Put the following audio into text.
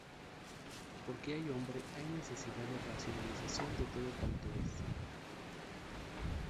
Porque hay hombre hay necesidad de "racionalización" de todo cuanto es.